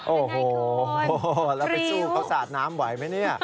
โอ้โหแล้วไปสู้เขาสาดน้ำไหวไหมเนี่ย